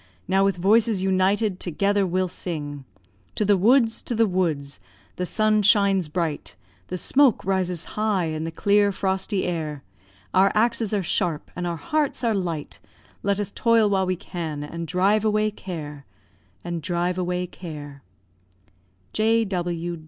Now with voices united together we'll sing To the woods! to the woods! The sun shines bright, The smoke rises high in the clear frosty air; Our axes are sharp, and our hearts are light, Let us toil while we can and drive away care, And drive away care. J.